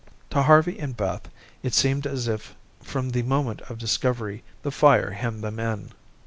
To Harvey and Beth, it seemed as if from the moment of discovery, the fire hemmed them in.